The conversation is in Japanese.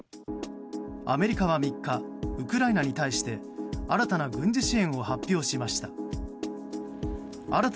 アメリカは３日ウクライナに対して新たな軍事支援を発表しました。